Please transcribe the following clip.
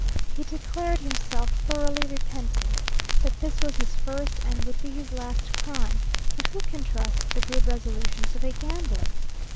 He declared himself thoroughly repentant that this was his first, and would be his last crime but who can trust the good resolutions of a gambler!